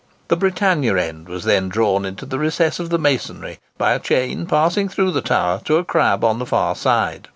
The Britannia end was then drawn into the recess of the masonry by a chain passing through the tower to a crab on the far side.